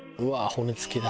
骨付きだ」